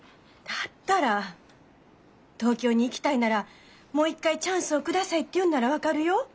だったら東京に行きたいなら「もう一回チャンスを下さい」って言うんなら分かるよ。